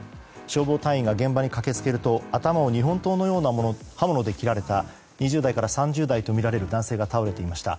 消防隊員が現場に駆け付けると頭を日本刀のような刃物で切られた２０代から３０代とみられる男性が倒れていました。